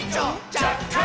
ちゃっかりポン！」